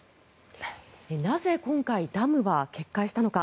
なぜ、今回ダムは決壊したのか。